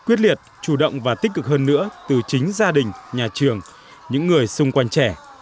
quyết liệt chủ động và tích cực hơn nữa từ chính gia đình nhà trường những người xung quanh trẻ